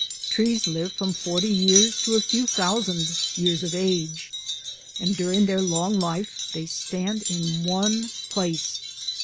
Trees live from forty years to a few thousand years of age, and during their long life they stand in one place.